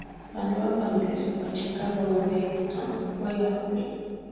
La nueva familia se fue a Chicago, donde Heston fue al colegio.